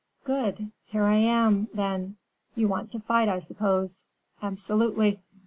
"Good; here I am, then; you want to fight, I suppose?" "Absolutely."